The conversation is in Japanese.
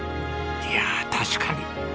いやあ確かに。